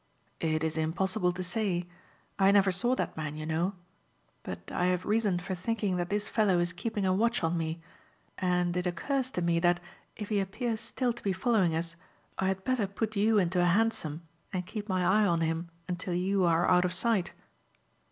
"It is impossible to say. I never saw that man, you know. But I have reason for thinking that this fellow is keeping a watch on me, and it occurs to me that, if he appears still to be following us, I had better put you into a hansom and keep my eye on him until you are out of sight."